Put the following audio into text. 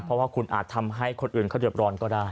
เพราะว่าคุณอาจทำให้คนอื่นเขาเดือบร้อนก็ได้